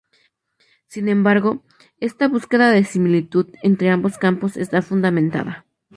Sin embargo, esta búsqueda de similitud entre ambos campos está fundamentada.